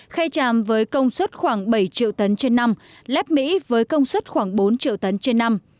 khay tràm với công suất khoảng bảy triệu tấn trên năm lát mỹ với công suất khoảng bốn triệu tấn trên năm